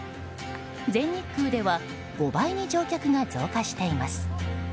全日空では５倍に乗客が増加しています。